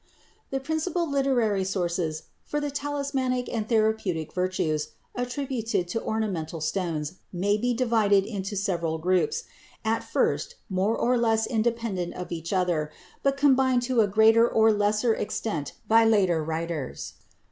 The principal literary sources for the talismanic and therapeutic virtues attributed to ornamental stones may be divided into several groups, at first more or less independent of each other, but combined to a greater or lesser extent by later writers.